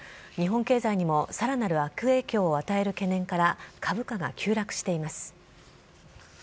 日本経済にもさらなる悪影響を与える懸念から、株価が急落しています。